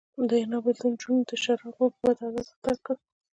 د حنا بېلتون جون د شرابو په بد عادت اخته کړ